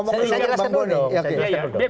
saya jelasin dulu dong